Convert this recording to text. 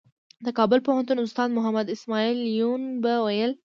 د کابل پوهنتون استاد محمد اسمعیل یون به ویل.